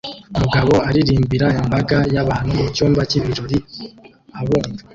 Umugabo aririmbira imbaga y'abantu mu cyumba cy'ibirori abumva